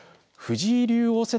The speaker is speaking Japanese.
藤井竜王